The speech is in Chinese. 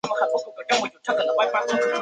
卷末刊登吉泽务的采访。